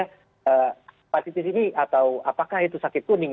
hepatitis ini atau apakah itu sakit kuning